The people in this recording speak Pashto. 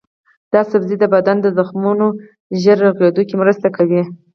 دا سبزی د بدن د زخمونو ژر رغیدو کې مرسته کوي.